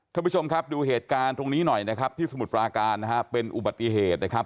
ท่านผู้ชมครับดูเหตุการณ์ตรงนี้หน่อยนะครับที่สมุทรปราการนะฮะเป็นอุบัติเหตุนะครับ